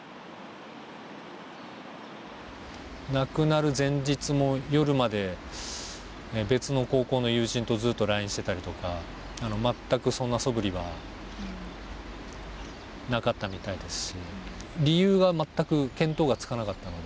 亡くなる前日も夜まで別の高校の友人とずっとＬＩＮＥしてたりとか、全くそんなそぶりはなかったみたいですし。